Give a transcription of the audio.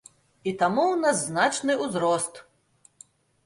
І таму ў нас значны ўзрост.